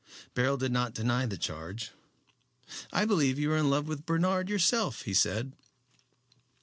Beryl did not deny the charge. "I believe you are in love with Bernard yourself," he said.